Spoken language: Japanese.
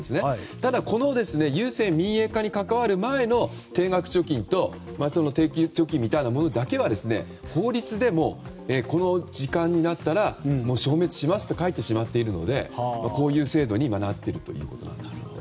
ただ、この郵政民営化に関わる前の定額貯金と定期貯金みたいなものだけは法律でもこの時間になったらもう消滅しますと書いてしまっているのでこういう制度になっているんですね。